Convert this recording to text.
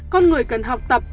con người cần học tập